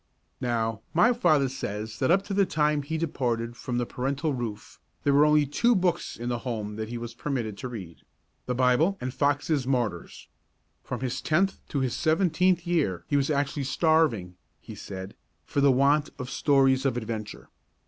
Now, my father says that up to the time he departed from the parental roof there were only two books in the home that he was permitted to read the Bible and Foxe's "Martyrs." From his tenth to his seventeenth year he was actually starving, he said, for the want of stories of adventure.